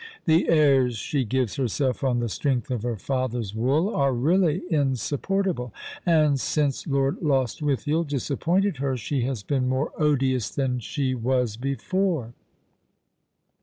The airs slie gives herself on the strength of her father's wool are really insup portable, and since Lord Lostwithiel disappointed her she has been more odious than she was before."